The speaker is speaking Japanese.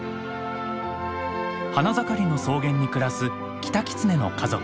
花盛りの草原に暮らすキタキツネの家族。